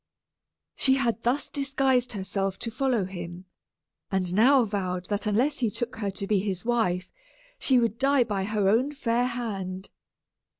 She had thus disguised herself to follow him, and now vowed that unless he took her to be his wife, she would die by her own fair hand.